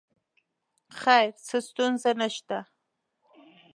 خیر څه ستونزه نه شته.